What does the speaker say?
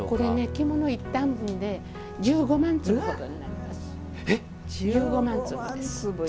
着物１反分で１５万粒ほどになります。